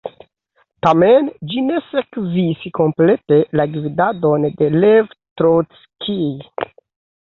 Tamen, ĝi ne sekvis komplete la gvidadon de Lev Trockij.